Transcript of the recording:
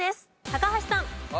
高橋さん。